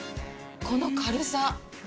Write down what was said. この軽さ。